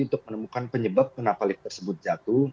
untuk menemukan penyebab kenapa lift tersebut jatuh